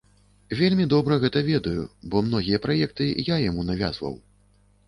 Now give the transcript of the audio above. Вельмі добра гэта ведаю, бо многія праекты я яму навязваў.